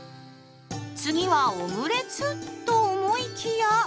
次はオムレツ？と思いきや。